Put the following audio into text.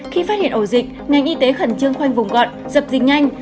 khi phát hiện ổ dịch ngành y tế khẩn trương khoanh vùng gọn dập dịch nhanh